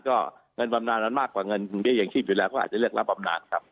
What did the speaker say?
ก็เงินบำนานมันมากกว่าเงินเบี้ยอย่างชีพอยู่แล้วก็อาจจะเลือกรับบำนานครับ